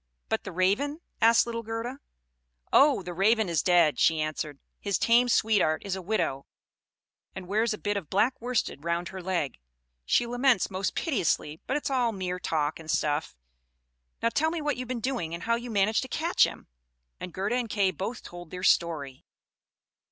"But the Raven?" asked little Gerda. "Oh! The Raven is dead," she answered. "His tame sweetheart is a widow, and wears a bit of black worsted round her leg; she laments most piteously, but it's all mere talk and stuff! Now tell me what you've been doing and how you managed to catch him." And Gerda and Kay both told their story.